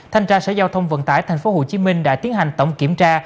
thanh tra sở giao thông vận tải tp hcm đã tiến hành tổng kiểm tra